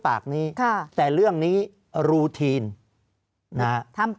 ภารกิจสรรค์ภารกิจสรรค์